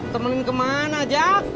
temenin kemana jack